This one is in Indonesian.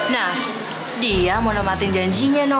nah dia mau nematin janjinya